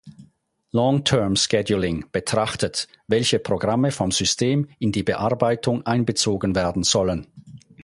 Long-Term-Scheduling betrachtet, welche Programme vom System in die Bearbeitung einbezogen werden sollen.